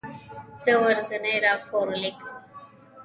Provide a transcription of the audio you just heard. زه ورځنی راپور لیکم.